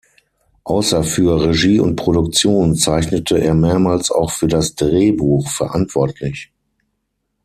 Außer für Regie und Produktion zeichnete er mehrmals auch für das Drehbuch verantwortlich.